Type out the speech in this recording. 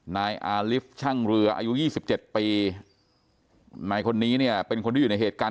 นายอาลิฟต์ช่างเรืออายุ๒๗ปีนายคนนี้เนี่ยเป็นคนที่อยู่ในเหตุการณ์